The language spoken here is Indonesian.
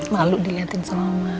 malu dilihatin sama